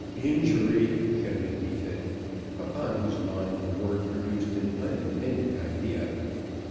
"Injury!" shouted Neefit, upon whose mind the word produced an unintended idea.